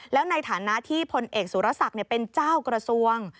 แล้วในฐานะที่พลเอกสุรศักดิ์เป็นเจ้ากระทรวง